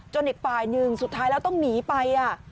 อีกฝ่ายหนึ่งสุดท้ายแล้วต้องหนีไป